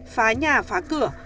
phá nhà phá cửa